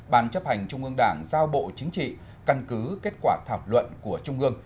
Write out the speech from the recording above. ban chấp hành trung mương đảng giao bộ chính trị căn cứ kết quả thảo luận của trung mương